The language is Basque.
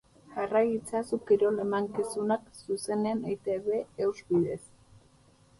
Jarrai itzazu kirol emankizunak, zuzenean, eitb-eus bidez.